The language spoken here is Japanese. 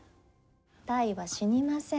泰は死にません。